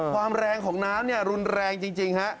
ความแรงของน้ำรุนแรงจริงฮะ